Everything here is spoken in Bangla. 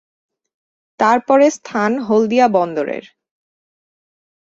তারপরে স্থান হলদিয়া বন্দরের।